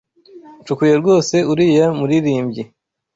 Ncukuye rwose uriya muririmbyi.